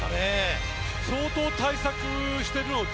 相当、対策しているのと